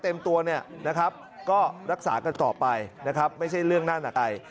เต็มตัวก็รักษากันต่อไปนะครับไม่ใช่เรื่องหน้าหนักใกล้